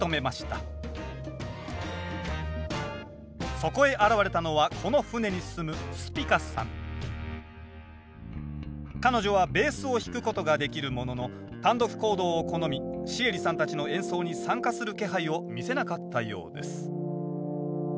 そこへ現れたのはこの船に住む彼女はベースを弾くことができるものの単独行動を好みシエリさんたちの演奏に参加する気配を見せなかったようです